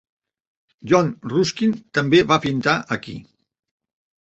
John Ruskin també va pintar aquí.